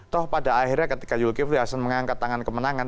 toh pada akhirnya ketika yul kivlasan mengangkat tangan kemenangan